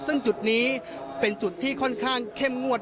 ซึ่งจุดนี้เป็นจุดที่ค่อนข้างเข้มงวด